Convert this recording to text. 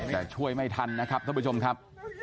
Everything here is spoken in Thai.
แต่ช่วยไม่ทันนะครับท่านผู้ชมครับ